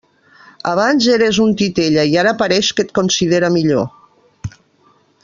Abans eres un titella, i ara pareix que et considera millor.